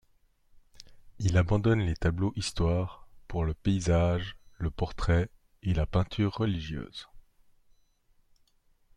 Il abandonne les tableaux histoires pour le paysage, le portrait et la peinture religieuse.